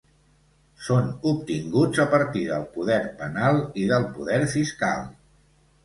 Són obtinguts a partir del poder penal i del poder fiscal.